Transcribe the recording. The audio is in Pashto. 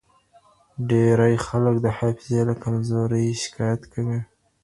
ډېری خلک د حافظې له کمزورۍ شکایت کوي.